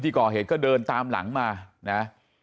นี่คุณตูนอายุ๓๗ปีนะครับ